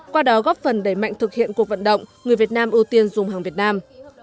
qua đó góp phần đẩy mạnh thực hiện cuộc vận động người việt nam ưu tiên dùng hàng việt nam